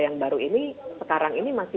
yang baru ini sekarang ini masih